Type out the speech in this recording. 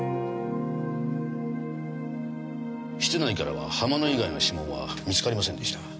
室内からは浜野以外の指紋は見つかりませんでした。